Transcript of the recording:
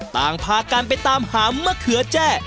ต่างพากันไปตามหามะเขือแจ้